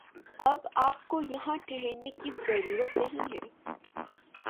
اب آپ کو یہاں ٹھہرنے کی ضرورت نہیں ہے